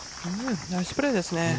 ナイスプレーですね。